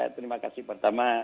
terima kasih pertama